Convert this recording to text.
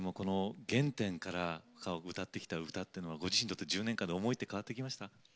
原点から歌ってきた歌っていうのはご自身にとって１０年間の思いって変わってきました？